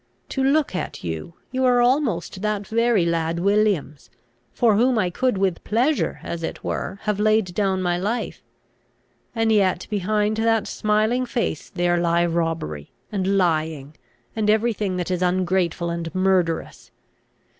To look at you, you are almost that very lad Williams for whom I could with pleasure, as it were, have laid down my life; and yet, behind that smiling face there lie robbery, and lying, and every thing that is ungrateful and murderous.